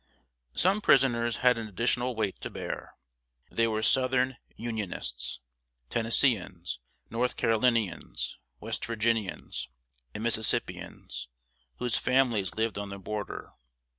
] Some prisoners had an additional weight to bear. They were southern Unionists Tennesseans, North Carolinians, West Virginians, and Mississippians whose families lived on the border.